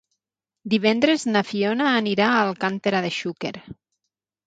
Divendres na Fiona anirà a Alcàntera de Xúquer.